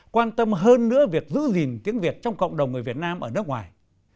quan tâm hơn nữa việc giữ gìn tiếng việt trong cộng đồng người việt nam ở nước ngoài